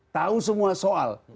tahu semua soal